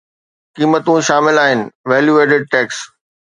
قيمتون شامل آهن ويليو ايڊڊ ٽيڪس